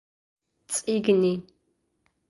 She has been described as hero-worshiping the senator.